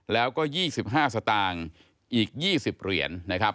แล้วก็๒๕สตางค์อีก๒๐เหรียญนะครับ